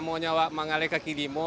mau nyawa mengalir kaki limau